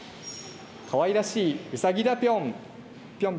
かわいらしいうさぎだぴょん。